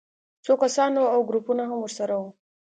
څو کسان وو او ګروپونه هم ورسره وو